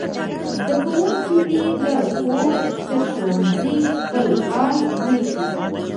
زده کوونکي دې له کوره تر ښوونځي خپل حال ولیکي.